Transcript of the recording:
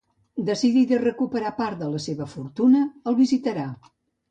Decidida a recuperar part de la seva fortuna, el visitarà.